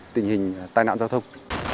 tình hình tai nạn giao thông